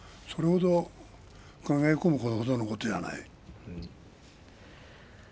それほど考え込むことではない。